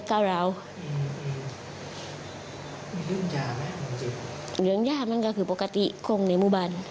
เขาก็เรื่องจริงใช่ไหม